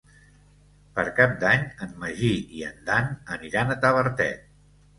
Per Cap d'Any en Magí i en Dan aniran a Tavertet.